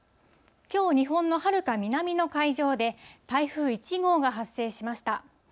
きょう、日本のはるか南の海上で、台風１号が発生しました。